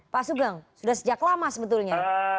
pak sugeng sudah sejak lama sebetulnya